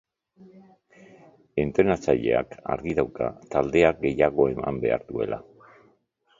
Entrenatzaileak argi dauka taldeak gehiago eman behar duela.